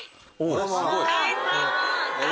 どうも。